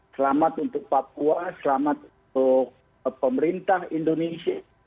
selamat untuk papua selamat untuk pemerintah indonesia